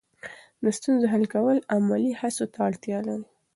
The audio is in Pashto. د ستونزو حل کول عملي هڅو ته اړتیا لري.